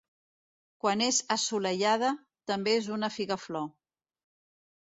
Quan és assolellada també és una figaflor.